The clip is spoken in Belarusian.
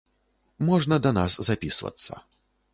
Можна да нас запісвацца.